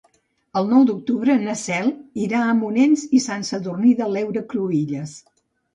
El nou d'octubre na Cel irà a Monells i Sant Sadurní de l'Heura Cruïlles.